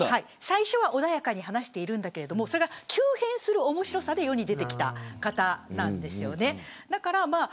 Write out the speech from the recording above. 最初は穏やかに話しているけれどもそれが急変する面白さで世に出てきた方なんですよね。